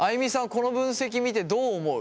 この分析を見てどう思う？